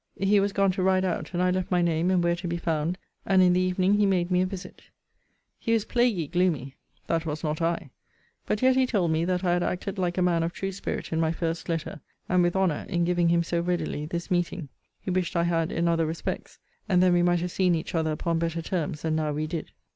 He was gone to ride out; and I left my name, and where to be found; and in the evening he made me a visit. He was plaguy gloomy. That was not I. But yet he told me that I had acted like a man of true spirit in my first letter; and with honour, in giving him so readily this meeting. He wished I had in other respects; and then we might have seen each other upon better terms than now we did.